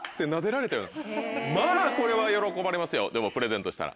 まぁこれは喜ばれますよでもプレゼントしたら。